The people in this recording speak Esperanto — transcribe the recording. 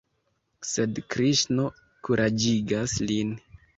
Sed Kriŝno kuraĝigas lin.